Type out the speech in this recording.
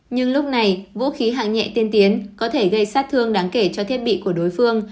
nhưng lúc này vũ khí hạng nhẹ tiên tiến có thể gây sát thương đáng kể cho thiết bị của đối phương